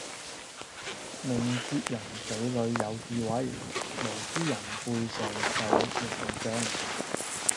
明哲人嘴裡有智慧，無知人背上受刑杖